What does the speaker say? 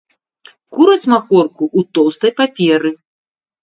Кураць махорку ў тоўстай паперы.